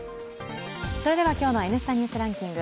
今日の「Ｎスタ・ニュースランキング」。